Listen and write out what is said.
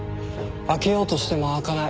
開けようとしても開かない。